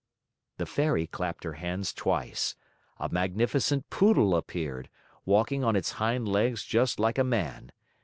'" The Fairy clapped her hands twice. A magnificent Poodle appeared, walking on his hind legs just like a man.